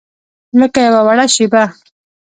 لکه یوه وړه شیبه